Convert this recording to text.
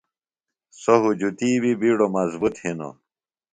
سوۡ ہُجتی بیۡ بِیڈو مضبُط ہِنوۡ۔